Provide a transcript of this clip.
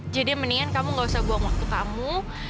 jadi mendingan kamu nggak usah buang waktu kamu